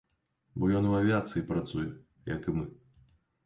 Бо ён ў авіяцыі працуе, як і мы.